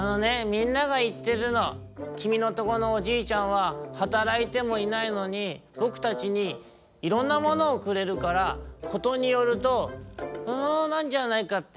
みんながいってるのきみのとこのおじいちゃんははたらいてもいないのにぼくたちにいろんなものをくれるからことによるとなんじゃないかって。